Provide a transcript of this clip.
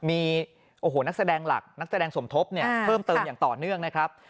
มีนักแสดงหลักนักแสดงสมทบเนี่ยเพิ่มเติมอย่างต่อเนื่องนะครับ